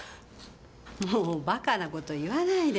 もうバカなこと言わないで。